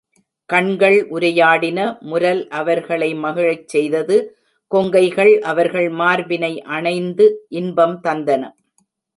கண்கள் உரையாடின, முரல் அவர்களை மகிழச் செய்தது கொங்கைகள் அவர்கள் மார்பினை அணைந்து இன்பம் தந்தன.